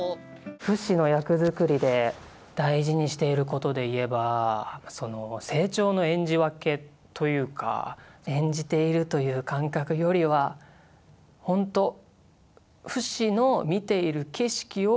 フシの役作りで大事にしていることでいえば成長の演じ分けというか演じているという感覚よりはほんとフシの見ている景色をなんというか僕が体感させてもらっているというか。